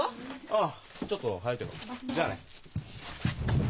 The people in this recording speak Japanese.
ああちょっと早いけどじゃあね。